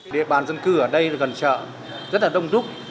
địa bàn dân cư ở đây gần chợ rất là đông rút